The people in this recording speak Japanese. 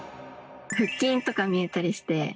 腹筋とか見えたりして。